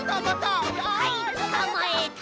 はいつかまえた。